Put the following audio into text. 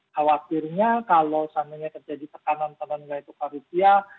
khawatirnya kalau samanya terjadi tekanan teman teman yaitu parutia